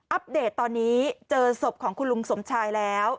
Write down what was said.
เดตตอนนี้เจอศพของคุณลุงสมชายแล้ว